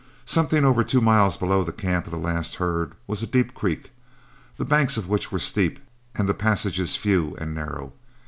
Something over two miles below the camp of the last herd was a deep creek, the banks of which were steep and the passages few and narrow.